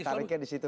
daya tariknya disitu